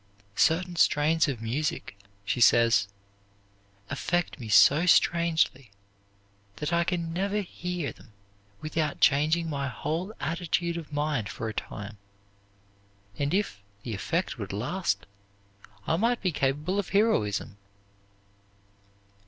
"Certain strains of music," she says, "affect me so strangely that I can never hear them without changing my whole attitude of mind for a time, and if the effect would last, I might be capable of heroism."